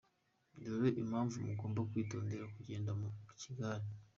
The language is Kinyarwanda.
Dore impamvu mugomba kwitondera kugenda mu kigare: